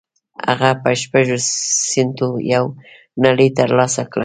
هغه په شپږو سينټو يوه نړۍ تر لاسه کړه.